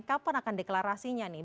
kapan akan deklarasinya nih